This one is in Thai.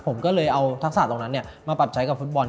ผมก็เลยเอาทักษะตรงนั้นมาปรับใช้กับฟุตบอล